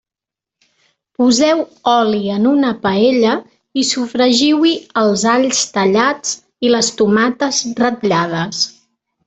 Poseu oli en una paella i sofregiu-hi els alls tallats i les tomates ratllades.